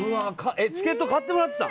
チケット買ってもらってた？